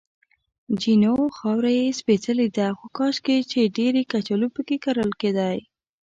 جینو: خاوره یې سپېڅلې ده، خو کاشکې چې ډېرې کچالو پکې کرل کېدای.